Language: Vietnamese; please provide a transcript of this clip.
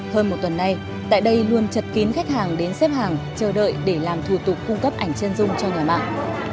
hơn một tuần nay tại đây luôn chật kín khách hàng đến xếp hàng chờ đợi để làm thủ tục cung cấp ảnh chân dung cho nhà mạng